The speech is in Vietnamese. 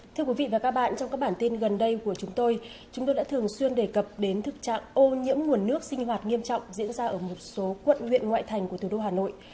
thưa quý vị và các bạn trong các bản tin gần đây của chúng tôi chúng tôi đã thường xuyên đề cập đến thực trạng ô nhiễm nguồn nước sinh hoạt nghiêm trọng diễn ra ở một số quận huyện ngoại thành của thủ đô hà nội